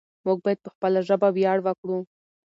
موږ بايد په خپله ژبه وياړ وکړو.